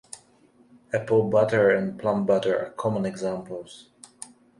Apple butter and plum butter are common examples.